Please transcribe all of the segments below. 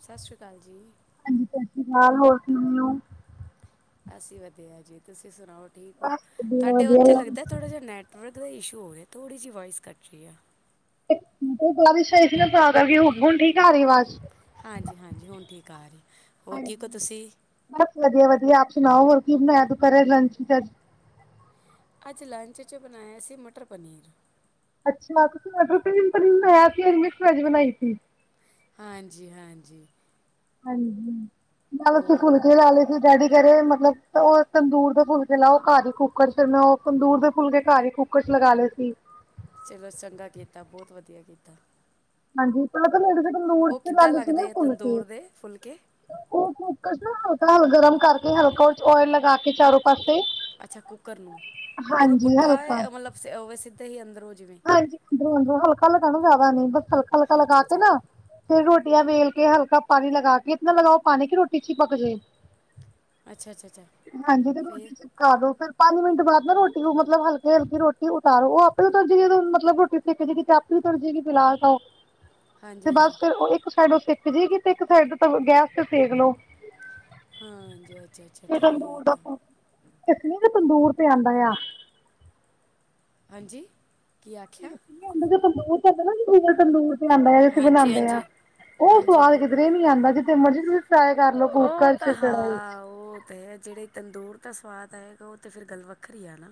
ਸਤਿ ਸ਼੍ਰੀ ਅਕਾਲ ਜੀ। ਫਿਲਹਾਲ ਹੋਰ ਕਿਵੇਂ ਹੋ? ਅਸੀਂ ਵਧੀਆ ਜੀ ਤੁਸੀਂ ਸੁਣਾਓ ਠੀਕ ਹੋ? ਬਸ ਵਧੀਆ ਤੁਹਾਡੇ ਉੱਥੇ ਵਧੀਆ ਲੱਗਦਾ ਥੋੜਾ ਜਿਹਾ ਨੈੱਟਵਰਕ। ਦਾ ਇਸ਼ੂ ਹੋਇਆ ਥੋੜ੍ਹੀ ਜਿਹੀ ਵੋਇਸ ਕਟ ਰਹੀ ਆ। ਤੇ ਉਹ ਬਾਰਿਸ਼ ਆਈ ਸੀ ਨਾ ਤਾਂ ਕਰਕੇ ਹੁਣ ਠੀਕ ਆ ਰਹੀ ਅਵਾਜ਼। ਹਾਂਜੀ -ਹਾਂਜੀ, ਹੁਣ ਠੀਕ ਆ ਰਹੀ ਹੋਰ ਹਾਂਜੀ ਠੀਕ ਹੋ ਤੁਸੀਂ? ਬਸ ਵਧੀਆ ਵਧੀਆ ਆਪ ਸੁਣਾਓ ਹੋਰ ਕੀ ਬਣਾਇਆ ਦੁਪਹਿਰੇ ਲੰਚ ਚ ਅੱਜ? ਅੱਜ ਲੰਚ 'ਚ ਬਣਾਇਆ ਸੀ ਮਟਰ ਪਨੀਰ। ਅੱਛਾ, ਤੁਸੀਂ ਮਟਰ ਪਨੀਰ-ਪਨੀਰ ਬਣਾਇਆ ਸੀ। ਅਸੀਂ ਮਿਕਸ ਵੈਜ ਬਣਾਈ ਸੀ। ਹਾਂਜੀ-ਹਾਂਜੀ। ਹਾਂਜੀ, ਨਾਲ ਅਸੀ ਫੁਲਕੇ ਖਾ ਲਏ ਸੀ, ਡੈਡੀ ਜਿਹੜੇ ਮਤਲਬ ਉਹ ਤੰਦੂਰ ਦੇ ਫੁੱਲਕੇ ਲਾਉ ਘਰ ਹੀ ਕੁੱਕਰ ਚ, ਫਿਰ ਮੈਂ ਉਹ ਤੰਦੂਰ ਦੇ ਫੁੱਲਕੇ ਘਰ ਹੀ ਮੈ ਕੁੱਕਰ ਚ ਲਗਾ ਲੈਂਦੀ। ਚਲੋ ਚੰਗਾ ਕੀਤਾ ਬਹੁਤ ਵਧੀਆ ਕੀਤਾ। ਹਾਂਜੀ, ਪਹਿਲੇ ਤੁਸੀਂ ਤੰਦੂਰ ਉਹ ਚ ਕਿੱਦਾਂ ਲਾਂਦੇ ਸੀ ਨਾ ਲੱਗਦੇ ਆ ਫੁਲਕੇ ਤੰਦੂਰ ਦੇ ਫੁਲਕੇ ਉਹ ਉਹਨੂੰ ਹਲਕਾ ਹਲ ਗਰਮ ਕਰਕੇ ਹਲਕਾ ਓਇਲ ਲਗਾ ਕੇ ਚਾਰੋਂ ਪਾਸੇ ਅੱਛਾ, ਕੁੱਕਰ ਨੂੰ, ਉਹਨੂੰ ਹਾਂਜੀ ਪੁੱਠਾ ਹਲਕਾ ਮਤਲਬ ਸਿੱਧੇ ਹੀ ਅੰਦਰ ਹਾਂਜੀ! ਅੰਦਰੋਂ ਅੰਦਰੋਂ ਹਲਕਾ ਲਗਾਣਾ ਜ਼ਿਆਦਾ ਨੀ ਬਸ ਹਲਕਾ ਹਲਕਾ ਹਾਂ ਲਗਾ ਅੱਛਾ ਕੇ ਅੱਛਾ ਨਾ। ਫਿਰ ਰੋਟੀਆਂ ਵੇਲ ਕੇ ਹਲਕਾ ਪਾਣੀ ਲਗਾ ਕੇ ਇਤਨਾ ਲਗਾਓ ਪਾਣੀ ਕਿ ਰੋਟੀ ਚ ਹੀ ਪਕ ਜਾਏ। ਅੱਛਾ ਅੱਛਾ ਅੱਛਾ ਹਾਂਜੀ! ਤੇ ਫਿਰ ਰੋਟੀ ਛਿਕਾ ਦੋ ਫਿਰ। ਪੰਜ ਮਿੰਟ ਬਾਅਦ ਨਾ ਰੋਟੀ ਮਤਲਬ ਹਲਕਕੇ ਹਲਕੀ ਰੋਟੀ ਉਤਾਰੋ ਉਹ ਆਪੇ। ਹਾਂ ਜੀ ਮਤਲਬ ਰੋਟੀ ਸੇਕੇ ਜੇਗੀ ਤੇ ਆਪੇ [inaudible] ਫਿਲਹਾਲ ਉਹ ਹਾਂਜੀ ਤੇ ਹਾਂਜੀ ਬਸ ਫਿਰ ਉਹ ਇੱਕ ਸਾਈਡ ਉਹ ਸਿੱਕ ਜਾਏਗੀ ਤੇ ਇੱਕ ਸਾਈਡ ਤਾਂ ਗੈਸ ਤੇ ਸੇਕ ਲਓ। ਹਾਂਜੀ! ਅੱਛਾ ਅੱਛਾ ਤੇ ਠੀਕ ਆ। ਦੂਰ ਤੇ ਆਉਂਦਾ ਆ। ਹਾਂਜੀ। ਕੀ ਆਖਿਆ ਹ ਤੰਦੂੂਰ ਤੇ ਬਨਗੀ ਤੰਦੂਰ ਤੇ। ਆਉਂਦਾ ਤੁਸੀਂ ਹਾਂਜੀ ਬਣਾਉਂਦੇ ਆ। ਹਾਂਜੀ ਉਹ ਹਾਂਜੀ ਸਵਾਦ ਕਿਧਰੇ ਨੀ ਆਉਂਦਾ ਜਿੱਥੇ ਮਰਜ਼ੀ ਤੁਂ ਟਰਾਏ ਕਰ ਲੋ ਉਹ ਕੂਕਰ ਤਾਂ ਚ ਚੜਾਈ। ਹਾਂ ਉਹ ਹੈ ਜਿਹੜੇ ਤੰਦੂਰ ਤਾਂ ਸਵਾਦ ਆਏਗਾ, ਉਹ ਤਾਂ ਫਿਰ ਗੱਲ ਵੱਖਰੀ ਆ ਨਾ।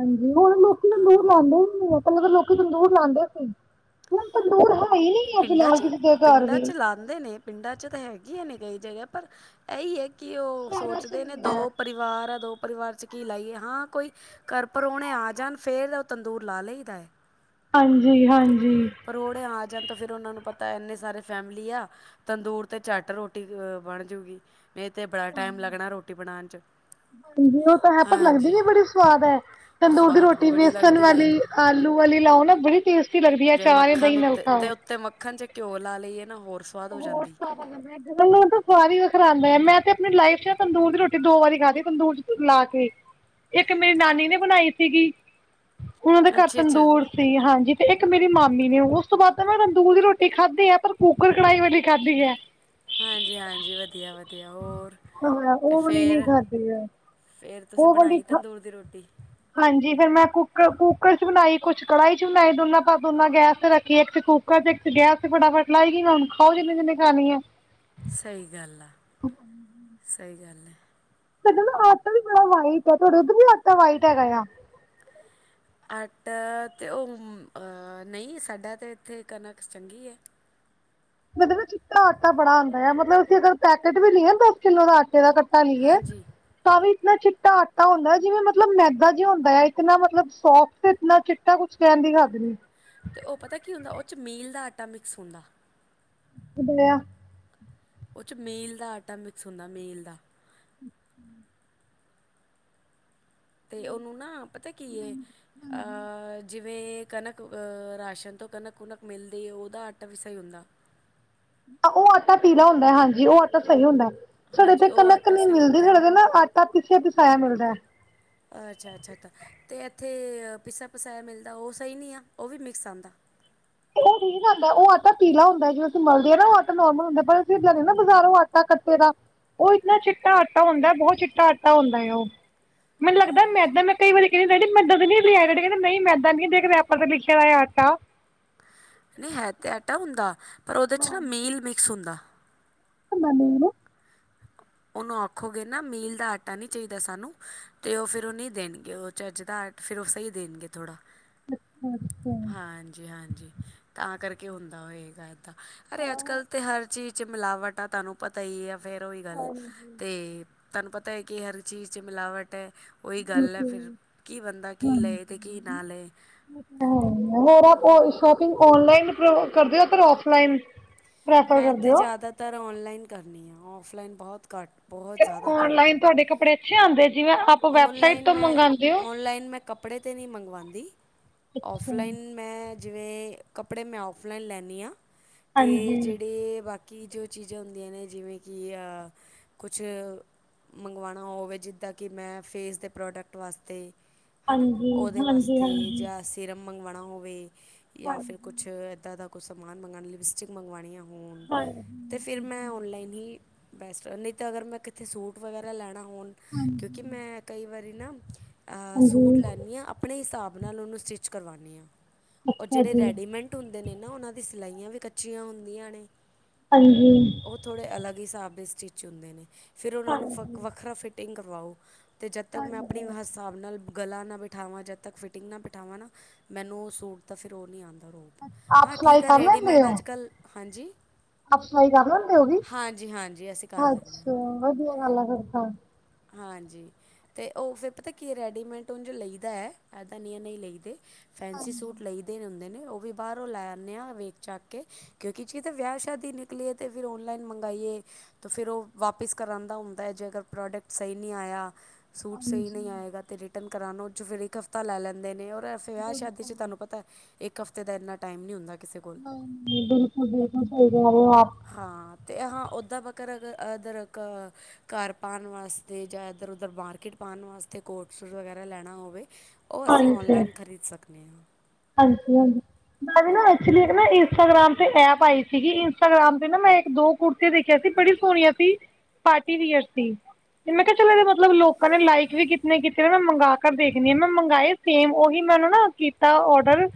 ਹਾਂਜੀ! ਹੁਣ ਲੋਕ ਮ ਹਾਂ ਲੋੂਰ ਲਾਉਦੇ ਹੀੁੰ ਮਤਲਬ ਲੋਕੀ ਤੰਦੂਰ ਲਾਉਂਦੇ ਸੀ। ਹੁਣ ਤੰਦੂਰ ਹੈ। ਈ ਨੀ ਆ ਪਿੰਡਾਂ ਫਿਲਹਾਲ ਚ ਕਿਸੇ ਦੇ ਘਰ ਪਿੰਡਾਂ ਵੀ। ਚ ਲਾਉਂਦੇ ਨੇ। ਪਿੰਡਾਂ ਚ ਤਾਂ ਹੈਗੀਆਂ ਨੇ। ਕਈ ਜਗ੍ਹਾ, ਪਰ ਇਹੀ ਹੈ ਕਿ ਉਹ ਸ਼ਹਿਰਾਂ ਚ ਸੋਚਦੇ ਨੇ ਨੀ ਐ। ਦੋ ਪਰਿਵਾਰ ਆ ਦੋ। ਪਰਿਵਾਰ ਚ ਕੀ ਲਾਈਏ ਹਾਂ ਕੋਈ ਘਰ ਪਰਾਹੁਣੇ ਆ ਜਾਣ ਫੇਰ ਤਾਂ ਉਹ ਤੰਦੂਰ ਲਾ ਲਈਦਾ ਹੈ। ਹਾਂਜੀ ਹਾਂਜੀ! ਪਰੋੜੇ ਆ ਣ ਤੋਂ ਫਿਰ ਉਹਨਾਂ ਨੂੰ ਪਤਾ ਇੰਨੇ ਸਾਰੇ ਫੈਮਲੀ ਆ ਤੰਦੂਰ ਤੇ ਝੱਟ ਰੋਟੀ ਬਣਜੂਗੀ। ਇਹ ਤੇ ਬੜਾ ਟਾਈਮ ਲੱਗਣਾ ਰੋਟੀ ਬਣਾਉਣ 'ਚ। ਹਾਂਜੀ! ਉਹ ਤਾਂ ਹੈ ਪਰ ਲੱਗਦੀ ਹਾਂਜੀ ਵੀ ਬੜੀ ਸਵਾਦ ਹੈ ਉਹ ਤੰਦੂਰ ਦੀ ਸਵਾਦ ਵੀ ਰੋਟੀ ਬੜੀ ਬੇਸਣ ਲੱਗਦੀ ਆ ਵਾਲੀ ਆਲੂ। ਗਲੀ ਲਾਓ ਨਾ ਬੜੀ। ਟੇਸਟੀ ਲੱਗਦੀ ਐ ਜੇ ਚਾਰ ਜਾਂ ਮੱਖਣ ਦਹੀਂ ਨਾਲ ਉੱਤੇ ਖਾਓ। ਤੇ ਉੱਤੇ ਮੱਖਣ ਜੇ ਘਿਓ ਲਾ ਲਈਏ ਨਾ ਹੋਰ ਸਵਾਦ ਹੋ ਹੋਰ ਜਾਂਦੀ ਸਵਾਦ ਬਣ ਜਾਂਦੀਆਂ। ਤੰਦੂਰ ਚ ਸਵਾਦ ਹੀ ਵੱਖਰਾ ਆਉਦਾ ਮੈਂ ਤੇ ਆਪਣੀ ਲਾਈਫ ਚ ਤੰਦੂਰ ਦੀ ਰੋਟੀ ਦੋ ਵਾਰੀ ਖਾਧੀ ਤੰਦੂਰ ਚ ਲਾ ਕੇ। ਇੱਕ ਮੇਰੀ ਨਾਨੀ ਨੇ ਬਣਾਈ ਸੀਗੀ। ਉਹਨਾਂ ਦੇ ਘਰ ਅੱਛਾ ਅੱਛਾ ਤੰਦੂਰ ਸੀ ਹਾਂਜੀ! ਇੱਕ ਮੇਰੀ ਮਾਮੀ ਨੇ ਉਸ ਤੋਂ ਬਾਅਦ ਤਾਂ ਮੈਂ ਤੰਦੂਰ ਦੀ ਰੋਟੀ ਖਾਧੀ ਆ ਪਰ ਕੂਕਰ ਕੜਾਈ ਵਾਲੀ ਖਾਧੀ ਹੈ। ਹਾਂਜੀ ਹਾਂਜੀ ਵਧੀਆ ਵਧੀਆ ਹੋਰ ਹਾਂ ਤੇ ਉਹ ਵਾਲੀ ਨਹੀਂ ਫਿਰ ਖਾਧੀ ਹੈ ਫੇਰ ਤੁਸੀਂ ਉਹ ਬਣਾਈ ਤੰਦੂਰ ਦੀ ਰੋਟੀ। ਫੇਿਰ ਮੈਂ ਕੱਕ ਕੁੂੱਕਰ ਚ ਬਣਾਈ, ਕੁੱਛ ਕੜਾਹੀ ਚ ਬਣਾਈ। ਦੋਨਾਂ ਪਾ ਦੋਨਾਂ ਗੈਸ ਤੇ ਰੱਖੀ ਇੱਕ ਕੂਕਰ ਚ ਇੱਕ ਤੇ ਫਟਾ ਫਟ ਲਏਗੀ ਮ ਹੁਣ ਖਾਓ ਜਿੰਨੇ ਜਿੰਨੇ ਖਾਣੀ ਆ। ਸਹੀ ਗੱਲ ਆ ਸਹੀ ਗੱਲ ਹੈ। ਸਾਡਾ ਨਾ ਆਟਾ ਵੀ ਬੜਾ ਵਾਈਟ ਆ ਤੁਹਾਡੇ ਉੱਧਰ ਵੀ ਆਟਾ ਵਾਈਟ ਹੈਗਾ ਆ। ਆਟਾ, ਤੇ ਉਹ ਅਹ ਨਹੀਂ ਸਾਡਾ ਤੇ ਇੱਥੇ ਕਣਕ ਚੰਗੀ ਹੈ। ਮਤਲਬ ਚਿੱਟਾ ਆਟਾ ਬੜਾ ਆਉਂਦਾ ਆ, ਮਤਲਬ ਅਸੀਂ ਅਰ ਪੈਕੇਟ ਵੀ ਲਾਇਆ ਦਸ ਕਿੱਲੋ ਦਾ ਆਟੇ ਦਾ ਲਈਏ ਹਾਂਜੀ ਤਾਂ ਵੀ ਇਨਾ ਚਿੱਟਾ ਆਟਾ ਹੁੰਦਾ, ਜਿਵੇਂ ਮਤਲਬ ਮੈਦਾ ਜਿਹਾ ਹੁੰਦਾ ਆ, ਇਤਨਾ ਮਤਲਬ ਸੋਫਟ ਇਤਨਾ ਚਿੱਟਾ ਕੁਛ ਕਹਿਣ। ਦੀ ਖਾਦ ਨ ਤੇ ਉਹ ਪਤਾ ਕੀ ਹੁੰਦਾ ਉਹ 'ਚ ਮੀਲ ਦਾ ਆਟਾ ਮਿਕਸ ਹੁੰਦਾ। ਕਿਧਇ [inaudible] ਉਹ 'ਚ ਮੇਲ ਦਾ ਆਟਾ ਮਿਕਸ ਹੁੰਦਾ ਮੇਲ ਦਾ। ਤੇ ਉਹਨੂੰ ਨਾ ਪਤਾ ਕੀ, ਹੈ ਅਹ ਜਿਵੇਂ। ਜਿਵੇਂ ਕਣਕ ਰਾਸ਼ਨ ਤੋਂ ਕਣਕ- ਕੁਣਕ ਮਿਲਦੀ ਉਹਦਾ ਆਟਾ ਵੀ ਸਹੀ ਹੁੰਦਾ। ਉਹ ਆਟਾ ਪੀਲਾ ਹੁੰਦਾ ਹੈ। ਹਾਂਜੀ ਉਹ ਆਟਾ ਸਹੀ ਹੁੰਦਾ। ਸਾਡੇ ਤੇ ਹਾਂਜੀ ਉਹ ਕਣਕ ਆਟਾ ਨਹੀਂ ਸਹੀ ਮਿਲਦੀ, ਹੁੰਦਾ ਸਾਡੇ ਤੇ ਨਾ ਆਟਾ ਪਿਸਿਆ ਪਿਸਾਇਆ ਮਿਲਦਾ। ਅੱਛਾ -ਅੱਛਾ -ਅੱਛਾ। ਅਤੇ ਇੱਥੇ ਪਿਸਾ ਪਸਾਇਆ ਮਿਲਦਾ ਉਹ ਸਹੀ ਨਹੀਂ ਆ ਉਹ ਵੀ ਮਿਕਸ ਆਉਂਦਾ। ਹ ਪੀਹ ਜਾਂਦਾ ਉਹ ਆਟਾ ਪੀਲਾ ਹੁੰਦਾ ਹੈ। ਜਦੋਂ ਅਸੀਂ ਮਲਦੇ ਹ ਨਾ ਉਹ ਆਟਾ ਨੋਰਮਲ ਹੁੰਦਾ। ਪਰ ਅਸੀਂ ਨਾ ਬਾਜ਼ਾਰ ਉਹ ਆਟਾ ਕੱਟੇ ਦਾ ਉਹ ਇਨਾ ਚਿੱਟਾ ਆਟਾ ਹੁੰਦਾ। ਬਹੁਤ ਚਿੱਟਾ ਆਟਾ ਹੁੰਦਾ ਹੈ ਉਹ। ਮਨੂੰ ਲੱਗਦਾ ਅੱਛਾ, ਮੈਦਾ ਮੈਂ ਕਈ ਵਾਰੀ ਮੈ ਐਦਾ ਨਹੀਂ ਲੈਕੇ ਆਇਆ ਡੈਡੀ ਕਹਿੰਦੇ ਨਹੀਂ ਮੈਦਾ ਨੀ ਦੇਖ ਰੇਐਪਰ ਤੇ ਲਿਖਿਆ ਦਾ ਆਟਾ ਨਹੀਂ ਹੈ ਤੇ ਆਟਾ ਹੁੰਦਾ ਪਰ ਉਹਦੇ 'ਚ ਨਾ ਮੀਲ ਮਿਕਸ ਹੁੰਦਾ। ਬਣ ਹੀਨੀ ਰਹੇ [unintelligible] ਉਹਨੂੰ ਆਖੋਗੇ ਨਾ ਮੀਲ ਦਾ ਆਟਾ ਨੀ ਚਾਹੀਦਾ ਸਾਨੂੰ ਤੇ ਉਹ ਫੇਿਰ ਉਹ ਨਹੀਂੀ ਦੇਣਗੇ ਉਹ ਚੱਜ ਦਾ ਫਿਰ ਉਹ ਸਹੀ ਦੇਣਗੇ ਥੋੜਾ। ਹਾਂਜੀ ਹਾਂਜੀ ਤਾਂ ਕਰਕੇ ਹੁੰਦਾ ਹੋਏਗਾ ਏਦਾਂ ਅਰੇ ਅੱਜ ਕੱਲ੍ਹ ਤੇ ਹਰ ਚੀਜ਼ ਚ ਮਿਲਾਵਟ ਆ ਤੁਹਾਨੂੰ ਪਤਾ ਹੀ ਆ ਫੇਰ ਹਾਂਜੀ। ਤਨ ਪਤਾ ਹੈ ਕਿ ਕੀ ਹਰ ਚੀਜ ਚ ਮਿਲਾਵਟ ਹੈ ਉਹਹੀ ਗੱਲ ਹੈ ਫਿਰ, ਕੀ ਬੰਦਾ ਕੀ ਲਏ ਅਤੇ ਕੀ ਨਾ ਲਏ। ਹੋਰ ਆਪ ਸ਼ੋਪਿੰਗ ਔਨਲਾਈਨ ਕਰਦੇ ਹੋ ਪਰ ਔਫਲਾਈਨ। ਮੈਂ ਕਰਦੇ ਤੇ ਹੋ? ਜ਼ਿਆਦਾਤਰ ਔਨਲਾਈਨ ਕਰਨੀ ਆ ਔਫਲਾਈਨ ਬਹੁਤ ਘੱਟ ਬਹੁਤ ਜ਼ਿਆਦਾ ਘੱਟ। ਕਪੜੇ ਅਛੇ ਆਉਂਦੇ। ਜਿਵੇਂ ਆਪ ਵੈਬਸਾਈਟ ਔਨਲਾਈਨ ਤੋਂ ਮੈਂ ਮੰਗਵਾਉਂਦੇ ਹੋ? ਔਨਲਾਈਨ ਮੈਂ ਕੱਪੜੇ ' ਤੇ ਨਹੀਂ ਮੰਗਵਾਉਂਦੀ। ਅੱਛਾ ਔਫਲਾਈਨ ਮੈਂ ਜਿਵੇਂ ਕੱਪੜੇ ਮੈਂ ਔਫਲਾਈਨ ਲੈਂਦੀ ਹਾਂ। ਅਤੇ ਹਾਂਜੀ ਜਿਹੜੇ ਬਾਕੀ ਕਿ ਜੋ ਚੀਜ਼ਾਂ ਹੁੰਦੀਆਂ ਨੇ ਜਿਵੇਂ ਕਿ ਕੁਛ ਮੰਗਵਾਉਣਾ ਹੋਵੇ ਜਿੱਦਾਂ ਕਿ ਮੈਂ ਫੇਸ ਦੇ ਪ੍ਰੋਡਕਟ ਵਾਸਤੇ ਹੈ ਨਾ। ਹਾਂਜੀ ਉਹਦੇ ਹਾਂਜੀ ਵਾਸਤੇ ਹਾਂਜੀ ਜਾਂ ਸੀਿਰਮ ਮੰਗਵਾਉਣਾ ਹੋਵੇ। ਜਾਂ ਫਿਰ ਹਾਂਜੀ ਕੁਛ ਇੱਦਾਂ ਦਾ ਕੁਛ ਸਮਾਨ ਮੰਗਵਾਉਣਾ ਲਿਪਸਟਿਕ ਮੰਗਵਾਉਣੀ ਆ। ਹ ਤੇ ਹਾਂਜੀ ਫਿਰ ਮੈਂ ਔਨਲਾਈਨ ਹੀ ਬੈਸਟ ਨਹੀਂ ਤਾਂ ਅਗਰ ਮੈਂ ਕਿਥੇ ਸੂਟ ਵਗੈਰਾ ਲੈਣਾ ਹੋਣ ਕਿਉਂਕਿ ਮੈਂ ਕਈ ਵਾਰੀ ਨਾ ਹਾਂਜੀ ਸੂਟ ਲੈਂਦੀ ਹਾਂ ਆਪਣੇ ਹਿਸਾਬ ਨਾਲ ਉਹਨੂੰ ਸਟਿੱਚ ਕਰਵਾਨੇ ਹਾਂ। ਅੱਛਾ ਜਿਹੜੇ ਜੀ ਰੈਡੀਮੈਂਟ ਹੁੰਦੇ ਨੇ ਨਾ ਉਹਨਾਂ ਦੀ ਸਿਲਾਈਆਂ ਵੀ ਕੱਚੀਆਂ ਹੁੰਦੀਆਂ ਨੇ। ਹਾਂਜੀ ਉਹ ਥੋੜੇ ਅਲੱਗ ਹਿਸਾਬ ਦੇ ਸਟਿਚ ਹੁੰਦੇ ਨੇ। ਫਿਰ ਉਹਨਾਂ ਨੂੰ ਹਾਂਜੀ ਵੱਖਰਾ ਫਿਟ ਟਿੰਗ ਕਰਵਾਓ। ਅਤੇ ਜਦ ਤੱਕ ਮੈਂ ਆਪਣੇ ਹਾਂਜੀ ਹਿਸਾਬ ਨਾਲ ਗਲਾ ਨਾ ਬਿਠਾਵਾਂ ਜਦ ਤੱਕ ਫਿਟਿੰਗ ਨਾ ਬਿਠਾਵਾਂ ਨਾ ਮੈਨੂੰ ਉਹ ਸੂਟ ਤਾਂ ਫਿਰ ਉਹ ਨਹੀਂ ਆਉਂਦਾ। ਆਪ ਹਾਂ ਸਿਲਾਈ ਠੀਕ ਆ। ਰੈਡੀਮੇਡ ਅੱਜ ਕੱਲ ਹਾਂਜੀ ਅਪ ਸਾਈ ਕਰ ਲੈਂਦੇ ਉਹ ਵੀ ਹਾਂਜੀ, ਹਾਂਜੀ ਅਸੀਂ ਕਰ ਲੈਂਦੇ ਅੱਛਾ ਵਧੀਆ ਗੱਲ ਆ ਫਿਰ ਤਾ। ਹਾਂਜੀ ਤੇ ਉਹ ਫਿਰ ਪਤਾ ਕੀ ਆ ਰੈਡੀਮੇਟ ਉੰਝ ਲਈਦਾ ਇੱਦਾਂ ਨਹੀਂ ਹੈ ਨਹੀਂ ਲਈ ਦੇ। ਫੈਂਸੀ ਸੂਟ ਲਈ ਦੇ ਹੁੰਦੇ ਨੇ। ਉਹ ਵੀ ਬਾਹਰੋਂ ਲੈ ਆਂਨੇ ਆ ਵੇਖ ਚਾਖ ਕੇ ਕਿਉਂਕਿ ਜੇ ਤੇ ਵਿਆਹ ਸ਼ਾਦੀ ਨਿਕਲੀ ਏ ਤੇ ਫਿਰ ਔਨਲਾਈਨ ਮੰਗਾਈਏ। ਫਿਰ ਉਹ ਵਾਪਿਸ ਕਰਾਂਦਾ ਹੁੰਦਾ ਜੇਕਰ ਪ੍ਰੋਡਕਟ ਸਹੀ ਨਹੀਂ ਆਇਆ, ਸੂਟ ਸਹੀ ਨਹੀਂ ਹਾਂਜੀ ਆਏਗਾ ਤੇ ਰਿਟਰਨ ਕਰਾਨਾ ਉਹ 'ਚ ਫਿਰ ਇੱਕ ਹਫਤਾ ਲੈ ਲੈਂਦੇ ਨੇ ਔਰ ਵਿਆਹ ਸ਼ਾਦੀ 'ਚ ਤੁਹਾਨੂੰ ਪਤਾ ਇੱਕ ਹਫ਼ਤੇ ਦਾ ਇੰਨਾ ਟਾਈਮ ਨੀ ਹੁੰਦਾ। ਕਿਸੇ ਕੋਲ ਨਹੀਂ-ਨਹੀਂ ਬਿਲਕੁਲ-ਬਿਲਕੁਲ ਸਹੀ ਗੱਲ ਆ। ਹਾਂ। ਅਹਾ ਉਹਦਾ ਬੱਕਰ ਇੱਧਰ ਘਰ ਪਾਉਣ ਵਾਸਤੇ ਜਾਂ ਇੱਧਰ ਉੱਧਰ ਮਾਰਕੀਟ ਪਾਅਣ ਵਾਸ ਕੋਟਸੂਟ ਵਗੈਰਾ ਲੈਣਾ ਹੋਵੇ। ਉਹ ਅਸੀਂ ਹਾਂਜੀ ਓਨਲਾਈਨ ਖਰੀਦ ਸਕਦਨੇ ਹਾਂ। ਹਾਂਜੀ ਹਾਂਜੀ। ਮੈਂ ਵੀ ਨਾ ਐਕਚੁਲੀ ਇੱਕ ਨਾ ਇੰਸਟਾਗ੍ਰਾਮ ਤੇ ਐਪ ਆਈ ਸੀਗੀ ਇੰਸਟਾਗ੍ਰਾਮ ਤੇ ਨਾ ਮੈਂ ਇੱਕ ਦੋ ਕੁੜਤੀ ਦੇਖਿਆ ਸੀ। ਬੜੀ ਸੋਹਣੀਆਂ ਸੀ। ਪਾਰਟੀ ਵੀਅਰ ਸੀ। ਤੇ ਮੈਂ ਕਿਹਾ ਚਲੌ ਇਹਦੇ ਮਤਲਬ ਲੋਕਾਂ ਨੇ ਲਾਈਕ ਵੀ ਕਿਤੇ ਕੀਤੇ ਨੇ ਮੈਂ ਮੰਗਾ ਕਰ ਦੇਖਣੀ ਆ ਮੈਂ ਮੰਗਵਾਏ ਸੇਮ ਉਹੀ ਮੈਨੂੰ ਨਾ ਕੀਤਾ ਔਡਰ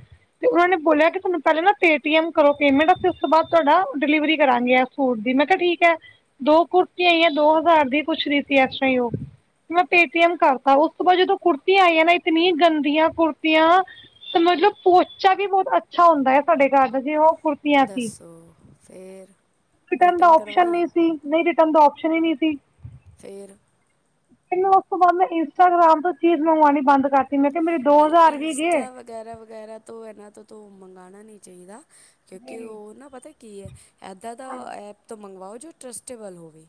ਤੇ ਉਹਨਾਂ ਨੇ ਬੋਲਿਆ ਤੁਹਾਨੂੰ ਪਹਿਲਾਂ ਨਾ ਪੇਟੀਐਮ ਕਰੋ ਪੇਮੈਂਟ ਉਸ ਤੋਂ ਬਾਅਦ ਤੁਹਾਡਾ ਡਿਲੀਵਰੀ ਕਰਾਂਗੇ ਸੁੱਟ ਦੀ ਮੈਂ ਕਿਹਾ ਠੀਕ ਹੈ ਦੋ ਕੁੁਰਤੀਯਾਂ ਆਈਯਾਂ ਦੋ ਹਜ਼ਾਰ ਦੀ ਪੁੱਛ ਰੀ ਸੀ ਇਸ ਤਰ੍ਹਾਂ ਹੀ ਉਹ ਮੈਂ ਪੇਟੀਐਮ ਕਰਤਾ ਉਸ ਤੋਂ ਬਾਅਦ ਜਦੋਂ ਕੁੜਤੀਆਂ ਆਈਆਂ ਨਾ ਇਤਨੀ ਗੰਦੀਆਂ ਕੁੜਤੀਆ ਤੇ ਮਤਲਬ ਪੋਚਾ ਵੀ ਬਹੁਤ ਅੱਛਾ ਹੁੰਦਾ ਹੈ ਸਾਡੇ ਘਰ ਦਾ ਜੇ ਉਹ ਕੁੁਰਤੀਆਂ ਸੀ। ਦੱਸੋ ਫਿਰ ਰਿਟਰਨ ਦਾ ਔਪਸ਼ਨ ਨਹੀਂ ਸੀ ਨਹੀਂ ਤੇ ਰਿਟਰਨ ਦਾ ਔਪਸ਼ਨ ਹੀ ਨਹੀਂ ਸੀ। ਫੇਰ ਮੈਂਨੂੰ ਉਸ ਤੋਂ ਬਾਅਦ ਮੈਂ ਇੰਸਟਾਗ੍ਰਾਮ ਤੋਂ ਚੀਜ਼ ਮੰਗਵਾਉਣੀ ਬੰਦ ਕਰ ਤੇ ਮੈਂ ਕਿਹਾ ਮੇਰੇ ਦੋ ਨਹੀਂ ਹਜ਼ਾਰ ਵੀ ਗਏ। ਇੰਸਟਾ ਵਗੈਰਾ ਵਗੈਰਾ ਤੋਂ ਇਹਨਾਂ ਤੋਂ ਤੂੰ ਮੰਗਵਾਉਣਾ ਨਹੀਂ ਚਾਹੀਦਾ। ਕਿਉਂਕਿ ਜੀ ਉਹ ਨਾ ਪਤਾ ਕੀ ਹੈ ਏਦਾਂ ਦਾ ਹਾਂਜੀ, ਐਪ ਤੋਂ ਮੰਗਵਾਓ ਜੋ ਟਰੱਸਟੇਬਲ ਹੋਵੇ।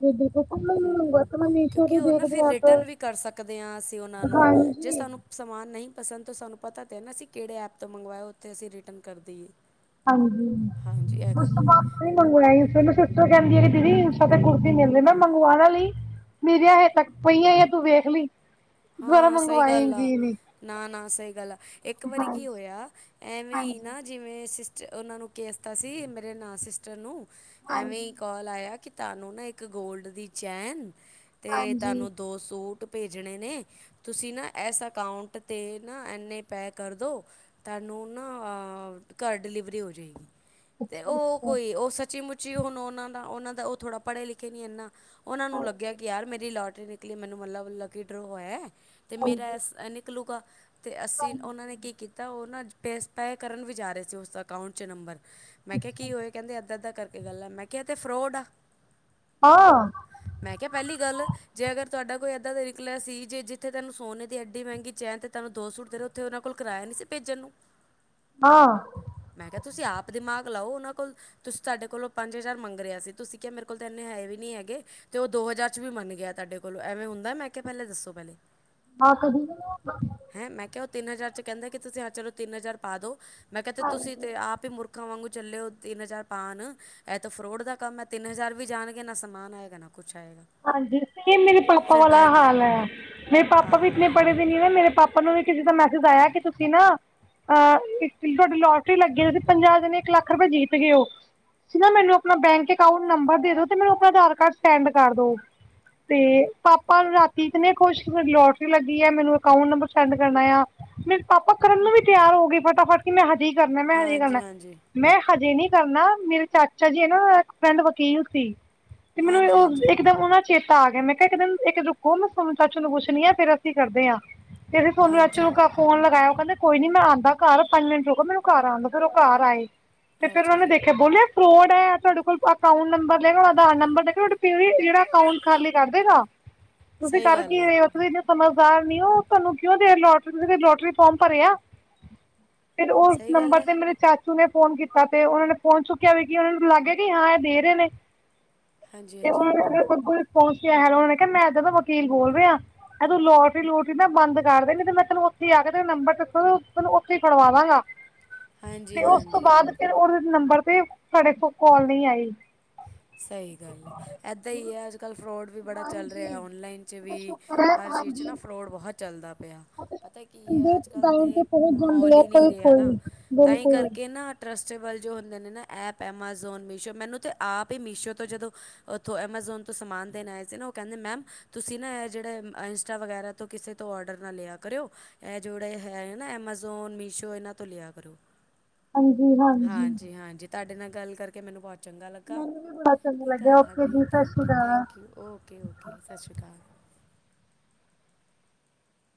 ਜੀ ਬਿਲਕੁਲ ਆਪਾ ਹੂੰ ਵਰਤਮਾਨ ਏਸ਼ੀਆ ਕਿਉਂਕਿ ਤੋ ਉਹ ਨਾ ਦੇਖਦੇ ਫਿਰ ਹਾਂ ਆਪ, ਰਿਟਰਨ ਵੀ ਕਰ ਸਕਦੇ ਹਾਂ ਅਸੀਂ ਉਹਨਾਂ ਨੂੰ ਜੇ ਹਾਂਜੀ। ਸਾਨੂੰ ਸਮਾਨ ਨਹੀਂ ਪਸੰਦ ਤੋਂ ਸਾਨੂੰ ਪਤਾ ਤਾਂ ਹੈ ਨਾ ਅਸੀਂ ਕਿਹੜੇ ਐਪ ਤੋਂ ਮੰਗਵਾਇਆ ਉੱਥੇ ਅਸੀਂ ਰਿਟਰਨ ਕਰ ਦੇਈਏ਼। ਹਾਂਜੀ, ਉਸ ਤੋਂ ਹੈ ਬਾਅਦ ਤਾਂ ਨੀ ਮੰਗਵਾਇਆ [unintelligible] ਕਹਿੰਦੀ ਅਰੇ ਦੀਦੀ ਮੀਸੋ ਤੇ ਕੁੜਤੀ ਮਿਲਦੀ ਮੈਂ ਕਿਹਾ ਮੰਗਵਾ ਨਾ ਲਈ। ਮੇਰੀਆਂ ਹੇਜੇ ਤੱਕ ਪਈਆਂ ਈ ਆ ਤੂੰ ਵੇਖ ਲਈ। ਦੁਬਾਰਾ ਮੰਗਵਾਏਂਗੀ ਨੀ। ਨਾ-ਨਾ ਸਹੀ ਗੱਲ ਆ ਇੱਕ ਵਾਰੀ ਕੀ ਹੋਇਆ ਐਵੇਂ ਹੀ ਨਾ ਜਿਵੇਂ ਉਹਨਾਂ ਨੂੰ ਕੇਹ ਤਾ ਸੀ, ਮੇਰੇ ਨਾ ਸਿਸਟਰ ਨੂੰ ਐਵੇਂ ਹੀ ਕਾਲ ਆਇਆ ਕਿ ਤੁਹਾਨੂੰ ਨਾ ਇੱਕ ਗੋਲਡ ਦੀ ਚੈਨ, ਤੇ ਤੁਹਾਨੂੰ ਦੋ ਸੂਟ ਭੇਜਣੇ ਨੇ। ਤੁਸੀਂ ਨਾ ਇਸ ਅਕਾਊਂਟ ਤੇ ਨਾ ਐਨੇ ਪੇ ਕਰਦੋ ਤੁਹਾਨੂੰ ਨਾ ਹਾਂ ਘਰ ਡਿਲੀਵਰੀ ਹੋਜੇਗੀ। ਤੇ ਉਹ ਕੋਈ ਉਹ ਸੱਚੀ-ਮੁੱਚੀ ਹੁਣ ਉਹਨਾਂ ਦਾ ਉਹਨਾਂ ਦਾ ਉਹ ਥੋੜ੍ਹਾ ਪੜ੍ਹੇ-ਲਿਖੇ ਨਹੀਂ ਏਨਾ। ਉਹਨਾਂ ਨੂੰ ਲੱਗਿਆ ਕਿ ਯਾਰ ਮੇਰੀ ਲੋੌਟਰੀ ਨਿਕਲੀ ਮੈਨੂੰ ਮਤਲਬ ਮਤਲਬ ਕੀ ਡਰੋ ਆਇਆ। ਤੇ ਮੇਰਾ ਨਿਕਲੂਗਾ ਤੇ ਅਸੀਂ ਉਹਨਾਂ ਨੇ ਕੀ ਕੀਤਾ ਉਹ ਨਾ ਪੇਸ ਪੇ ਕਰਨ ਵੀ ਜਾ ਰਹੇ ਸੀ ਉਸ ਅਕਾਊਂਟ 'ਚ ਨੰਬਰ, ਮੈਂ ਕਿਹਾ ਕੀ ਹੋਏ ਕਹਿੰਦੇ ਏਦਾ-ਏਦਾ ਕਰ ਤੇ ਪਹਿਲਾ ਮੈਂ ਕਿਹਾ ਇਹ ਤੇ ਫਰੋਡ ਆ। ਹਾਂ ਮੈਂ ਕਿਹਾ ਪਹਿਲੀ ਗੱਲ ਜੇ ਅਗਰ ਤੁਹਾਡਾ ਕੋਈ ਏਦਾਂ ਦਾ ਨਿਕਲਿਆ ਸੀ ਜੇ ਜਿੱਥੇ ਤੈਨੂੰ ਸੋਨੇ ਦੀ ਐਡੀ ਮਹਿੰਗੀ ਚੈਨ ਤੇ ਤੂਹਾਨੂੰ ਦੋ ਸੂਟ ਦੇ ਦੋ ਉੱਥੇ ਉਹਨਾਂ ਕੋਲ ਕਰਾਇਆ ਨਹੀਂ ਸੀ ਭੇਜਣ। ਹਾਂ ਮੈਂ ਕਿਹਾ ਤੁਸੀਂ ਆਪ ਦਿਮਾਗ ਲਾਓ ਉਹਨਾਂ ਕੋਲ ਤੁਸੀਂ ਤੁਹਾਡੇ ਕੋਲੋਂ ਪੰਜ ਹਜ਼ਾਰ ਮੰਗ ਰਿਹਾ ਸੀ ਤੁਸੀਂ ਕਿਹਾ ਮੇਰੇ ਕੋਲ ਤਾਂ ਇੰਨੇ ਹੈ ਵੀ ਨਹੀ ਹੈਗੇ। ਤੇ ਉਹ ਦੋ ਹਜ਼ਾਰ 'ਚ ਵੀ ਮੰਨ ਗਿਆ ਤੁਹਾਡੇ ਕੋਲੋਂ ਐਵੇਂ ਹੁੰਦਾ ਮੈਂ ਕਿਹਾ ਪਹਿਲੇ ਦੱਸੋ। ਪਹਿਲੇ ਆ ਕਦੀ ਨਾ ਹੈਂ ਮੈਂ ਕਿਹਾ ਉਹ ਤਿੰਨ ਹਜ਼ਾਰ 'ਚ ਕੇਂਦੇ ਕਿ ਤੁਸੀਂ ਹਾਂ ਚਲੋ ਤਿੰਨ ਹਜ਼ਾਰ ਪਾ ਦੋ, ਮੈਂ ਕਯਾ ਕੇ ਤੁਸੀਂ ਤੇ ਆਪ ਹੀ ਮੁਰ ਖਾਂ ਵਾਂਗੂ ਚਲੇ ਹੋ ਤਿੰਨ ਹਜ਼ਾਰ ਪਾਣ, ਇਹ ਤਾਂ ਫਰੋਡ ਦਾ ਕੰਮ ਏ। ਤਿੰਨ ਹਜ਼ਾਰ ਵੀ ਜਾਣਗੇ ਨਾ ਸਮਾਨ ਆਏਗਾ ਨਾ ਕੁਛ ਆਏਗਾ ਹਾਂਜੀ, ਸੇਮ ਮੇਰੇ ਪਾਪਾ ਫਿਰ ਵਾਲਾ ਬਹਿ ਗਈ ਹਾਲ ਏ। ਮੇਰੇ ਆ ਪਾਪਾ ਵੀ ਇਤਨੇ ਪੜ੍ਹੇ ਵੀ ਨੀ ਹੁ ਮੇਰੇ ਪਾਪਾ ਨੂੰ ਵੀ ਕਿਸੇ ਦਾ ਮੈਸੇਜ ਆਇਆ ਕਿ ਤੁਸੀਂ ਨਾ ਅ ਇੱਕ ਤੁਹਾਡੀ ਲੌਟਰੀ ਲੱਗੀ ਤੁਸੀਂ ਪੰਜਾਹ ਜਣੇ ਇੱਕ ਲੱਖ ਰੁਪਏ ਜੀਤ ਗਏ ਔ। ਤੁਸੀਂ ਨਾ ਮੈਨੂੰ ਆਪਣਾ ਬੈਂਕ ਅਕਾਊਟ ਨੰਬਰ ਦੇ ਦੋ ਤੇ ਮੈਨੂੰ ਆਪਣਾ ਅਧਾਰ ਕਾਰਡ ਸੈਂਡ ਕਰ ਦੋ। ਤੇ ਪਾਪਾ ਰਾਤੀ ਈਤਨੇ ਖੁਸ਼ ਲੋੌਟਰੀ ਲੱਗੀ ਏ। ਮੈਨੂੰ ਅਕਾਊਂਟ ਨੰਬਰ ਸੈਂਡ ਕਰਨਾ ਏ ਆ। ਮੇਰੇ ਪਾਪਾ ਕਰਨ ਨੂੰ ਵੀ ਤਿਆਰ ਹੋ ਗਏ ਫਟਾਫਟ ਕਿ ਮੈਂ ਹਜੇ ਹੀ ਕਰਨਾ, ਮੈਂ ਹਜੇ ਹੀ ਹਾਂਜੀ ਕਰਨਾ, ਹਾਂਜੀ ਮੈਂ ਹਜੇ ਨੀ ਘਰ ਨਾ ਮੇਰੇ ਚਾਚਾ ਜੀ ਹੈ ਨਾ ਇੱਕ ਫਰਿੰਡ ਵਕੀਲ ਸੀ, ਤੇ ਮੈਨੂੰ ਹਾਂਜੀ ਉਹ ਹਾਂਜੀ ਇੱਕਦਮ ਉਹਨਾ ਚੇਤਾ ਤਾਂ ਆ ਗਿਆ ਮੈਂ ਕਿਹਾ ਇੱਕ ਦਿਨ ਇੱਕ ਰੁਕੋ ਮੈਂ ਸੋਨੂੰ ਚਾਚੂ ਨੂੰ ਪੁੱਛਣੀ ਆ ਫ਼ਿਰ ਅਸੀਂ ਕਰਦੇ ਆ। ਤੇ ਅਸੀਂ ਸੋਨੂੰ ਚਾਚੂ ਹਾਂਜੀ ਨੂ ਕਾ ਫੋਨ ਲਗਾਇਆ। ਔ ਕਹਿੰਦੇ ਕੋਈ ਨੀ ਮੈਂ ਆਂਦਾ ਘਰ ਪੰਜ ਮਿੰਟ ਰੁਕੋ ਮੈਨੂੰ ਘਰ ਆਨ ਦੋ ਫਿਰ ਉਹ ਘਰ ਆਏ। ਤੇ ਫੇਰ ਉਹਨਾ ਅੱਛਾ ਨੇ ਅੱਛਾ ਦੇਖਿਆ ਬੋਲਿਆ ਫਰੋਡ ਐ ਤੁਹਾਡੇ ਕੋਲ ਅਕਾਊਂਟ ਨੰਬਰ ਲਏਗਾ, ਆਧਾਰ ਨੰਬਰ ਲਏਗਾ ਤੁਹਾਡੇ ਕਿਵੇਂ ਜਿਹੜਾ ਅਕਾਊਂਟ ਖਾਲੀ ਕਰ ਦੇਗਾ, ਤੁਸੀਂ ਸਹੀ ਕਰ ਗੱਲ ਕੀ ਆ ਰਹੇ ਹੋ ਤੁਸੀਂ ਸਮਝਦਾਰ ਨੀ ਉਹ ਤੁਹਾਨੂੰ ਕਿਉਂ ਦੇ ਲੋਟਰੀ ਤੂਸੀਂ ਕਦੀ ਲੋਟਰੀ ਫੋਮ ਭਰਿਆ। ਫਿਰ ਉਸ ਸਹੀ ਗੱਲ ਨੰਬਰ ਹੈ ਤੇ ਮੇਰੇ ਚਾ ਚੂ ਨੇ ਫੋਨ ਕੀਤਾ ਤੇ ਉਹ ਨੇ ਫੋਨ ਚੁੱਕਿਆ ਵੀ ਕਿ ਉਹਨਾਂ ਨੂੰ ਲੱਗ ਗਿਆ ਕਿ ਹਾਂ ਇਹ ਦੇ ਰਹੇ ਨੇ। ਹਾਂਜੀ ਤੇ ਹਾਂਜੀ ਉਹਦੇ ਕੋਲ ਪਹੁੰਚਿਆ ਉਹਨਾਂ ਨੇ ਕਿਹਾ ਮੈਂ ਏਦਾ ਦਾ ਵਕੀਲ ਬੋਲ ਰਿਹਾ। ਇਹ ਤੂੰ ਲੋਟਰੀ-ਲੂਟਰੀ ਨਾ ਬੰਦ ਕਰ ਦੇਣੀ ਤੇ ਮੈਂ ਤੈਨੂੰ ਉੱਥੇ ਹੀ ਆ ਕੇ ਤੇਰਾ ਨੰਬਰ ਦੱਸੋ ਤੈਨੂੰ ਉੱਥੇ ਹੀ ਫੜਵਾਵਾਂਗਾ। ਹਾਂਜੀ ਤੇ ਉਸ ਤੋਂ ਹਾਂਜੀ ਬਾਅਦ ਫਿਰ ਉਹਦੇ ਨੰਬਰ ਤੇ ਸਾਡੇ ਕੋਲ ਕਾਲ ਨੀ ਆਈ। ਸਹੀ ਗੱਲ ਆ। ਏਦਾਂ ਈ ਏ ਅੱਜ ਕੱਲ੍ਹ ਫਰੋਡ ਵੀ ਬੜਾ ਚੱਲ ਰਿਹਾ, ਔਨਲਾਈਨ 'ਚ ਵੀ ਹਰ ਚੀਜ਼ 'ਚ ਨਾ ਫਰੋਡ ਬਹੁਤ ਚੱਲਦਾ ਪਿਆ। ਪਤਾ ਕੀ ਏ, ਅੱਜ ਕੱਲ ਤੇ ਮਾਹੌਲ ਹੀ ਨਹੀਂ ਰਿਹਾ ਨਾ ਤਾਂਹੀ ਕਰਕੇ ਨਾ ਟਰਸਟੇਬਲ ਜੋ ਹੁੰਦੇ ਨੇ ਨਾ ਐਪ ਐਮਾਜ਼ੋਨ, ਮੀਸ਼ੋ ਮੈਨੂੰ ਤੇ ਆਪ ਮੀਸ਼ੋ ਤੋਂ ਜਦੋਂ ਔਥੋਂ ਐਮਾਜੋਨ ਤੋਂ ਸਮਾਨ ਦੇਣ ਆਏ ਸੀ ਨਾ, ਔ ਕੇਂਦੇ ਮੈਮ ਤੁਸੀਂ ਨਾ ਇਹ ਜਿਹੜੇ ਇੰਸਟਾ ਵਗੈਰਾ ਤੋਂ ਕਿਸੇ ਤੋਂ ਔਡਰ ਨਾ ਲਿਆ ਕਰਿਓ, ਇਹ ਜਿਹੜੇ ਹੈ ਨਾ ਐਮਾਜ਼ੋਨ, ਮੀਸ਼ੋ ਇਹਨਾਂ ਤੋਂ ਲਿਆ ਕਰੋ। ਹਾਂਜੀ ਹਾਂਜੀ। ਤੁਡੇ ਨਾਲ ਗੱਲ ਕਰਕੇ ਮੈਨੂੰ ਬਹੁਤ ਚੰਗਾ ਲੱਗਾ। ਠੀਕ ਏ ਹਾਂਜੀ thank you thank you, okay okay, ਸੱਸ ਸ਼੍ਰੀ ਅਕਾਲ।